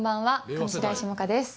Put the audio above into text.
上白石萌歌です。